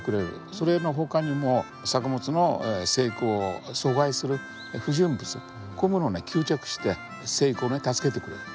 それの他にも作物の生育を阻害する不純物こういうものを吸着して生育を助けてくれる。